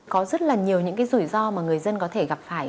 có rất là nhiều những cái rủi ro mà người dân có thể gặp phải